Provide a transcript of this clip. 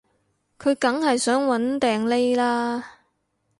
佢梗係想搵掟匿喇